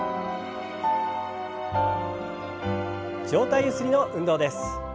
上体ゆすりの運動です。